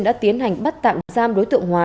đã tiến hành bắt tạm giam đối tượng hòa